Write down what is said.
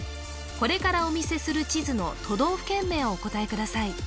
これからお見せする地図の都道府県名をお答えください